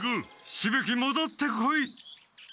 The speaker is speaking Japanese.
しぶ鬼もどってこい。